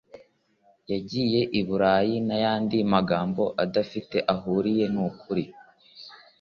yagiye i Burayi n’ayandi magambo adafite aho ahuriye n’ukuri